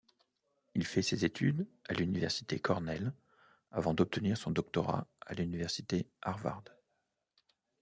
Il fait ses études à l'université Cornell avant d'obtenir son doctorat à l'université Harvard.